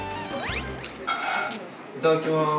いただきます。